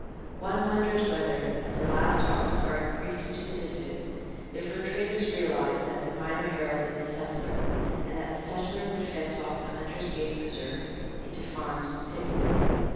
One wonders whether, as the last ox cart creaked into the distance, the fur traders realized that the miner heralded the settler, and that the settler would fence off the hunter's game preserve into farms and cities.